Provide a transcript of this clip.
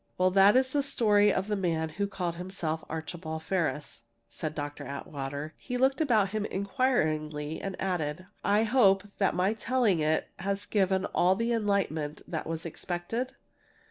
"Well, that is the story of the man who called himself Archibald Ferris," said Dr. Atwater. He looked about him inquiringly and added: "I hope that my telling it has given all the enlightenment that was expected?"